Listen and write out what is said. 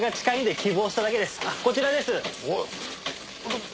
あっこちらです。